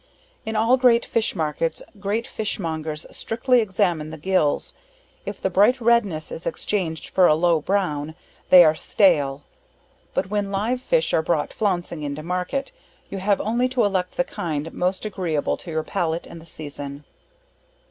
In all great fish markets, great fish mongers strictly examine the gills if the bright redness is exchanged for a low brown, they are stale; but when live fish are bro't flouncing into market, you have only to elect the kind most agreeable to your palate and the season.